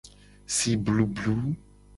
Si blublu.